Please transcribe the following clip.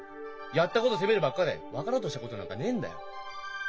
やったこと責めるばっかで分かろうとしたことなんかねえんだよ。